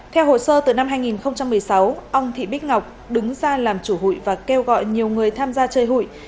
theo hồ sơ từ năm hai nghìn một mươi sáu ông thị bích ngọc đứng ra làm chủ hụi và kêu gọi nhiều người tham gia chơi hụi